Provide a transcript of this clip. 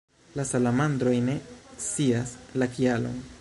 La salamandroj ne scias la kialon.